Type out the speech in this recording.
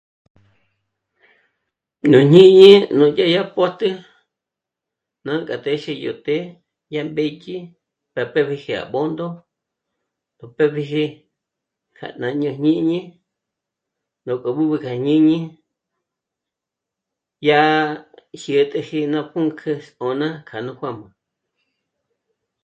Nú jñíñi nú dyédya pójt'e nánk'a téxe yó të́'ë yá mbédyi rá pë́pjiji à Bṓndo gú pë́pjiji k'a ná jñé'e à jñíñi ró b'ǚb'ü kja jñíñi dyà 'jyä̀t'äji ná pǔnk'ü zò'na k'a nó juā́jmā